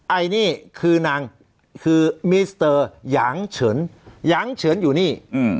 ไอ้นี่คือนางคือมีสเตอร์หยางเฉินยังเฉินอยู่นี่